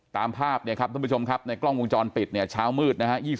ตามภาพเนี่ยครับท่านผู้ชมครับในกล้องวงจรปิดเนี่ยเช้ามืดนะฮะ